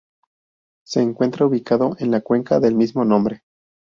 Se encuentra ubicado en la cuenca del mismo nombre.